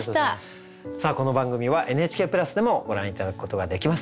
さあこの番組はＮＨＫプラスでもご覧頂くことができます。